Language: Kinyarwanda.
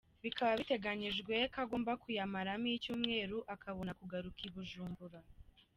Bikaba biteganijwe ko agomba kuyamaramo icyumweru akabona kugaruka i Bujumbura.